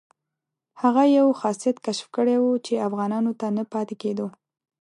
هغه یو خاصیت کشف کړی وو چې افغانانو ته نه پاتې کېدو.